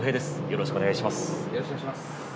よろしくお願いします。